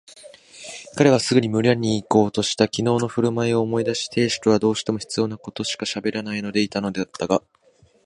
彼はすぐ村へいこうとした。きのうのふるまいを思い出して亭主とはどうしても必要なことしかしゃべらないでいたのだったが、